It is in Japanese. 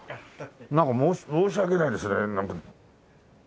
なんか申し訳ないですね。